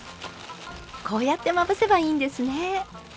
こうやってまぶせばいいんですね。